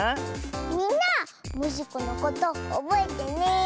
みんなモジコのことおぼえてね！